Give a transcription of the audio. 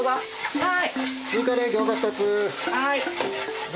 はい。